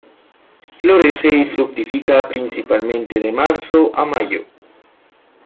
Florece y fructifica principalmente de marzo a mayo.